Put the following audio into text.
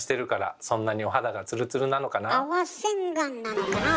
泡洗顔なのかなあ